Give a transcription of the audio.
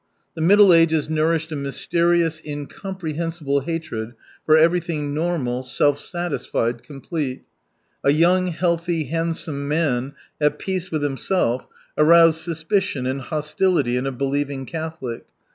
The Middle Ages nourished a myster ious, incomprehensible hatred for everything normal, self satisfied, complete. A young, healthy, handsome man, at peace with himself, aroused suspicion and hostility in a believing Catholic.